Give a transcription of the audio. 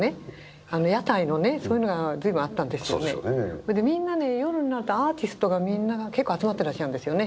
それでみんなね夜になるとアーティストがみんなが結構集まってらっしゃるんですよね。